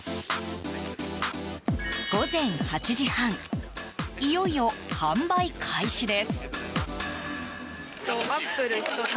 午前８時半いよいよ販売開始です。